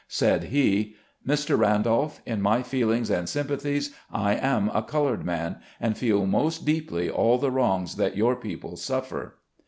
Said he: " Mr. Randolph, in my feelings and sympathies, I am a colored man, and feel most deeply all the wrongs that your people suffer."